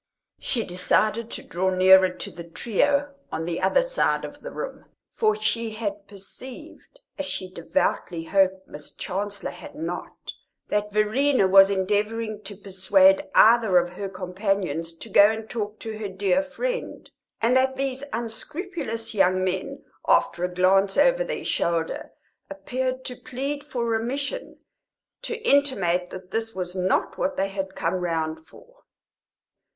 She decided to draw nearer to the trio on the other side of the room, for she had perceived (as she devoutly hoped Miss Chancellor had not) that Verena was endeavouring to persuade either of her companions to go and talk to her dear friend, and that these unscrupulous young men, after a glance over their shoulder, appeared to plead for remission, to intimate that this was not what they had come round for.